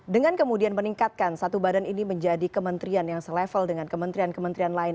dengan kemudian meningkatkan satu badan ini menjadi kementerian yang selevel dengan kementerian kementerian lain